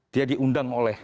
dia diundang oleh